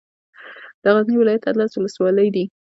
د غزني ولايت اتلس ولسوالۍ دي